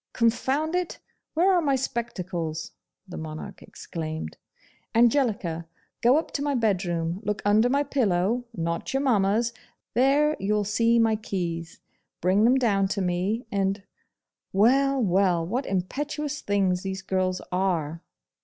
'Confound it! where are my spectacles?' the Monarch exclaimed. 'Angelica! go up into my bedroom, look under my pillow, not your mamma's; there you'll see my keys. Bring them down to me, and Well, well! what impetuous things these girls are!